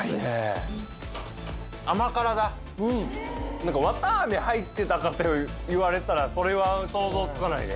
何か綿あめ入ってたかって言われたらそれは想像つかないね。